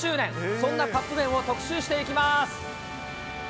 そんなカップ麺を特集していきます。